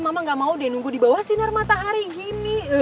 mama gak mau deh nunggu di bawah sinar matahari gini